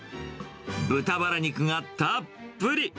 豚バラ肉がたっぷり。